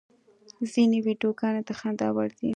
ځینې ویډیوګانې د خندا وړ دي.